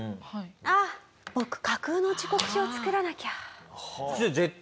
ああ僕架空の時刻表を作らなきゃ。